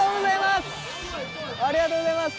ありがとうございます！